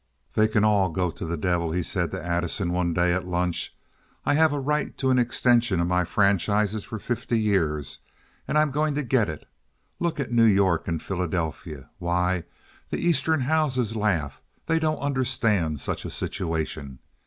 "They can all go to the devil," he said to Addison, one day at lunch. "I have a right to an extension of my franchises for fifty years, and I am going to get it. Look at New York and Philadelphia. Why, the Eastern houses laugh. They don't understand such a situation.